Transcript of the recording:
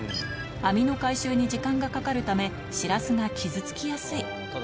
網の回収に時間がかかるため、シラスが傷つきやすい。